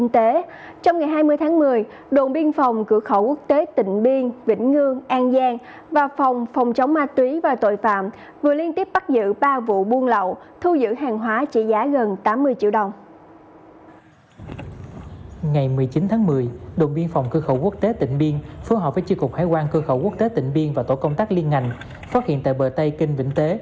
tổ công tác tỉnh biên và tổ công tác liên ngành phát hiện tại bờ tây kinh vĩnh tế